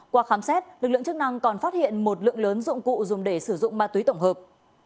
qua khám xét lực lượng chức năng còn phát hiện một lượng lớn dụng cụ dùng để sử dụng ma túy tổng hợp